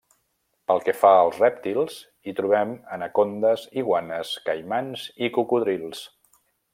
Pel que fa als rèptils, hi trobem anacondes, iguanes, caimans i cocodrils.